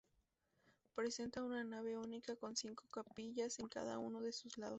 Presenta una nave única con cinco capillas en cada uno de sus lados.